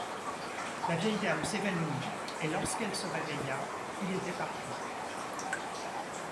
La vieille dame s'évanouit et lorsqu'elle se réveilla, il était parti.